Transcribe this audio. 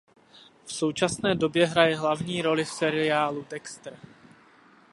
V současné době hraje hlavní roli v seriálu Dexter.